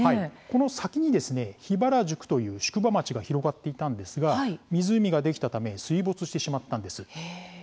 この先に桧原宿という宿場町が広がっていたんですが湖ができたため水没してしまったんです。